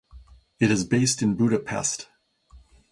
It is based in Budapest.